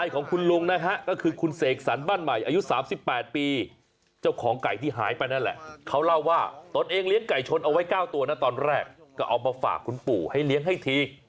ก็เอามาฝากคุณปู่ได้เลี้ยงให้ที